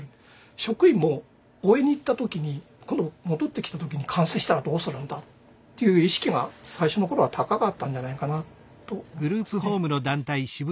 職員も応援に行った時に今度戻ってきた時に感染したらどうするんだっていう意識が最初の頃は高かったんじゃないかなと思いますね。